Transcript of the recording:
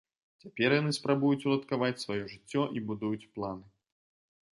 Цяпер яны спрабуюць уладкаваць сваё жыццё і будуюць планы.